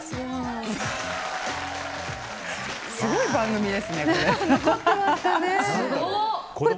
すごい番組ですね、これ。